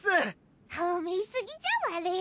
ほめすぎじゃわれ。